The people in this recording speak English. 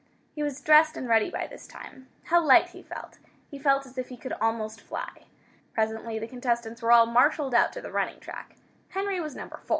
He was dressed and ready by this time. How light he felt! He felt as if he could almost fly. Presently the contestants were all marshalled out to the running track. Henry was Number 4.